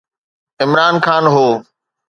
عمران خان هو.